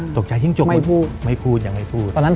ตกใจจิ้งจกคุณไม่พูดยังไม่พูดอ่าไม่พูด